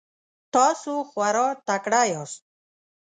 تاسو خورا تکړه یاست.